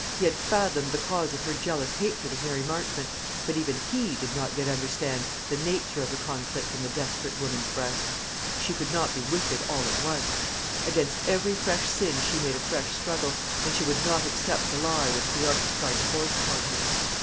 He had fathomed the cause of her jealous hatred of Mary Marchmont; but even he did not yet understand the nature of the conflict in the desperate woman's breast. She could not be wicked all at once. Against every fresh sin she made a fresh struggle, and she would not accept the lie which the artist tried to force upon her.